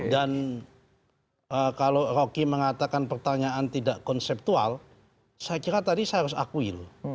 dan kalau rocky mengatakan pertanyaan tidak konseptual saya kira tadi saya harus akui